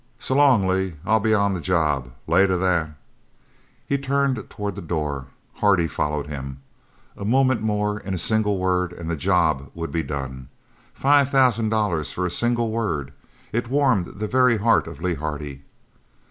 "So long, Lee. I'll be on the job. Lay to that." He turned towards the door. Hardy followed him. A moment more, in a single word, and the job would be done. Five thousand dollars for a single word! It warmed the very heart of Lee Hardy.